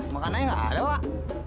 makanannya nggak ada pak